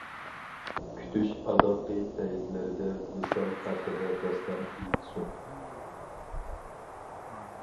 كۈتۈش ئاداققى پەيتلىرىدە ۋىسال ھەققىدە داستان ئېيتسۇن.